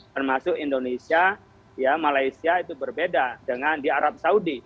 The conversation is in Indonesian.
termasuk indonesia malaysia itu berbeda dengan di arab saudi